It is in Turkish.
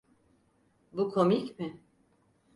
Bu komik mi?